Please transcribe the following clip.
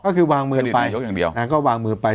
ก็คือวางมือไปก็วางมือไป